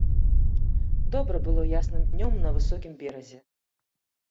Добра было ясным днём на высокім беразе.